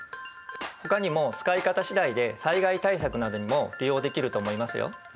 ほかにも使い方次第で災害対策などにも利用できると思いますよ。